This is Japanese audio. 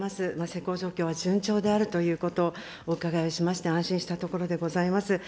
施行状況は順調であるということ、お伺いをしまして、安心したところでございます。